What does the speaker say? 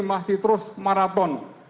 masih terus maraton